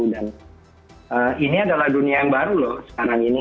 dan ini adalah dunia yang baru loh sekarang ini